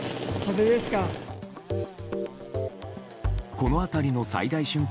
この辺りの最大瞬間